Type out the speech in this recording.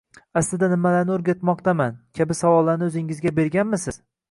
aslida nimalarni o‘rgatmoqdaman” kabi savollarni o‘zingizga berganmisiz?